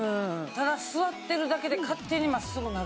ただ座ってるだけで勝手に真っすぐになる。